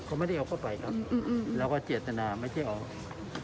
เขาไม่ได้เอาเข้าไปครับแล้วก็เจตนาไม่ใช่เอาออก